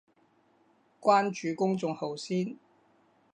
關注公眾號先